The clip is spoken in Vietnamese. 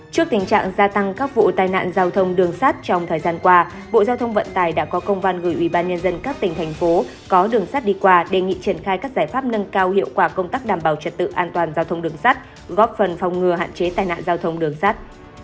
trước tình trạng gia tăng các vụ tai nạn giao thông đường sát trong thời gian qua bộ giao thông vận tài đã có công văn gửi ủy ban nhân dân các tỉnh thành phố có đường sắt đi qua đề nghị triển khai các giải pháp nâng cao hiệu quả công tác đảm bảo trật tự an toàn giao thông đường sắt góp phần phòng ngừa hạn chế tai nạn giao thông đường sắt